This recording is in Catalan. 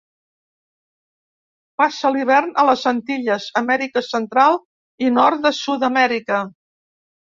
Passa l'hivern a les Antilles, Amèrica Central i nord de Sud-amèrica.